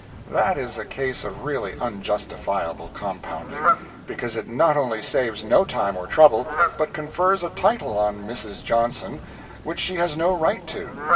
That is a case of really unjustifiable compounding; because it not only saves no time or trouble, but confers a title on Mrs. Johnson which she has no right to.